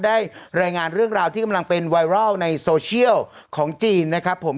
ได้รายงานเรื่องราวที่กำลังเป็นไวรัลในโซเชียลของจีนนะครับผม